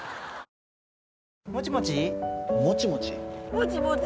もちもち